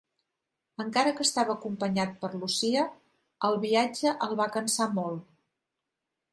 Encara que estava acompanyat per Lucia, el viatge el va cansar molt.